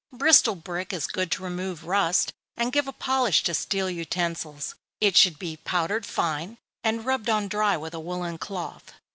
_ Bristol brick is good to remove rust, and give a polish to steel utensils. It should be powdered fine, and rubbed on dry, with a woollen cloth.